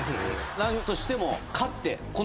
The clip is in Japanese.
何としても。